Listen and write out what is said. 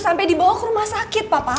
sampai dibawa ke rumah sakit bapak